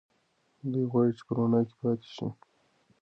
دی غواړي چې په رڼا کې پاتې شي.